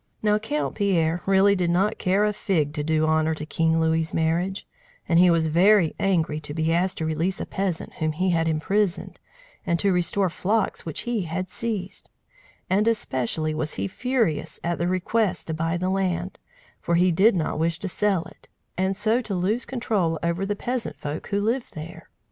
Now Count Pierre really did not care a fig to do honour to King Louis's marriage, and he was very angry to be asked to release a peasant whom he had imprisoned, and to restore flocks which he had seized; and especially was he furious at the request to buy the land, for he did not wish to sell it, and so to lose control over the peasant folk who lived there.